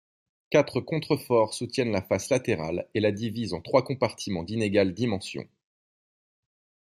Quatre contre-forts soutiennent la face latérale et la divisent en trois compartiments d'inégales dimensions.